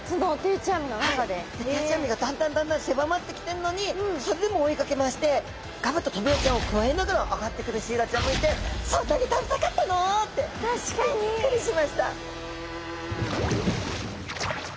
定置網がだんだんだんだん狭まってきてるのにそれでも追いかけ回してがぶっとトビウオちゃんをくわえながら上がってくるシイラちゃんもいてそんなに食べたかったの！？ってびっくりしました！